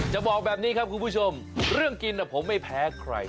จะบอกแบบนี้ครับคุณผู้ชมเรื่องกินผมไม่แพ้ใคร